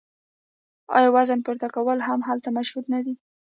آیا وزنه پورته کول هم هلته مشهور نه دي؟